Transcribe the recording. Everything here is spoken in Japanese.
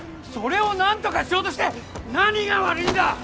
それを何とかしようとして何が悪いんだ！